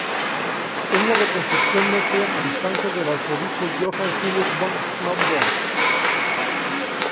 Una reconstrucción no fue a instancias del arzobispo Johann Philipp von Schönborn.